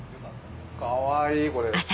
かわいいこれ。